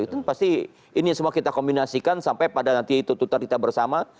itu pasti ini semua kita kombinasikan sampai pada nanti tuntutan kita bersama